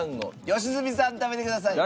良純さん食べてください。